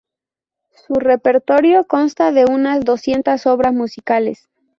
Su repertorio consta de unas doscientas obras musicales.